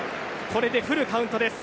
これでフルカウントです。